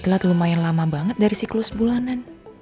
telat lumayan lama banget dari siklus bulanan